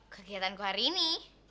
kegiatanku hari ini